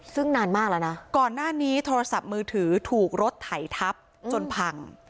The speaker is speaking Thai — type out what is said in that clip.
ซึ่งนานมากแล้วนะก่อนหน้านี้โทรศัพท์มือถือถูกรถไถทับจนพัง